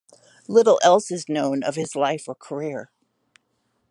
Little else is known of his life or career.